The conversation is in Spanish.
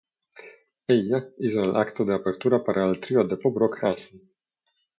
Ella hizo el acto de apertura para el trío de pop-rock Hanson.